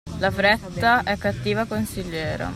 La fretta è cattiva consigliera.